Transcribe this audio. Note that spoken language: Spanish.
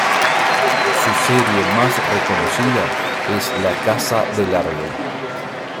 Su serie más reconocida es "La casa del árbol".